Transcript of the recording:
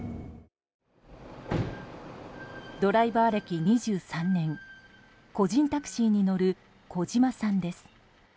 ドライバー歴２３年個人タクシーに乗る小嶋さんです。